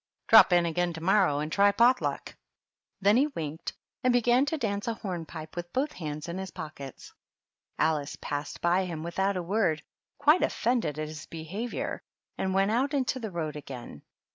"Drop in again to morrow and try pot luck." Then he winked, and began to dance a horn pipe with both hands in his pockets. Alice passed by him without a word, quite offended at his behavior, and went out into the road again.